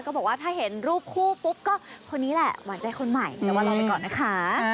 บอกว่าถ้าเห็นรูปคู่ปุ๊บก็คนนี้แหละหวานใจคนใหม่แต่ว่ารอไปก่อนนะคะ